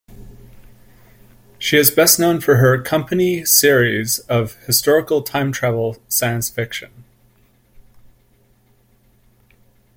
She is best known for her "Company" series of historical time travel science fiction.